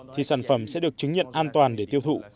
thì sản phẩm sẽ được chứng nhận an toàn để tiêu thụ